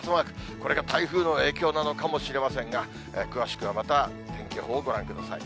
これが台風の影響なのかもしれませんが、詳しくはまた天気予報をご覧ください。